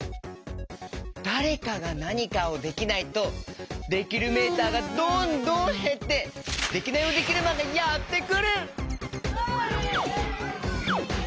だれかがなにかをできないとできるメーターがどんどんへってデキナイヲデキルマンがやってくる！